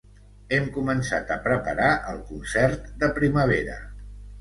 Hem començat a preparar el concert de primavera.